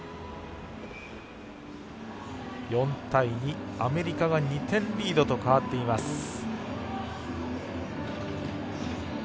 ４対２、アメリカが２点リードと変わっています。